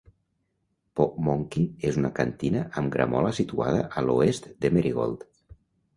Po 'Monkey's és una cantina amb gramola situada a l'oest de Merigold.